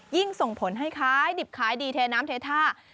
ยิ่งส่งผลให้คล้ายดิบคล้ายดีเทน้ำเททา